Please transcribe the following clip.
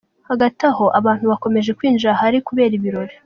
Hagati aho abantu bakomeje kwinjira ahari kubera ibirori.